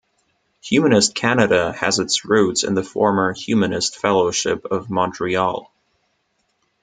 Humanist Canada has its roots in the former Humanist Fellowship of Montreal.